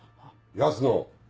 安野